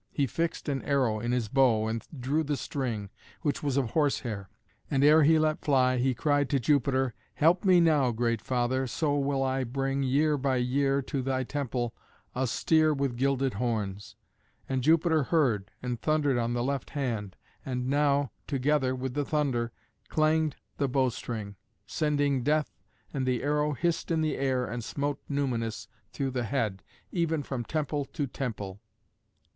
He fixed an arrow in his bow and drew the string, which was of horsehair, and ere he let fly, he cried to Jupiter, "Help me now, great Father, so will I bring, year by year, to thy temple a steer with gilded horns." And Jupiter heard, and thundered on the left hand. And now, together with the thunder, clanged the bow string, sending death, and the arrow hissed in the air and smote Numanus through the head, even from temple to temple.